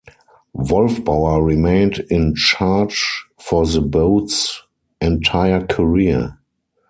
Wolfbauer remained in charge for the boat's entire career.